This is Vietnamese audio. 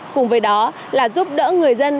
cùng với đó là giúp đỡ người dân